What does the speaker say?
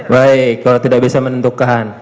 baik kalau tidak bisa menentukan